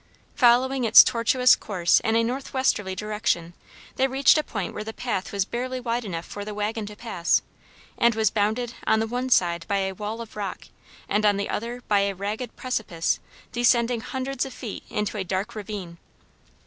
Following its tortuous course in a northwesterly direction they reached a point where the path was barely wide enough for the wagon to pass, and was bounded on the one side by a wall of rock and on the other by a ragged precipice descending hundreds of feet into a dark ravine.